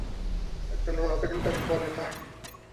এক দণ্ড না দেখিলে থাকিতে পারেন না!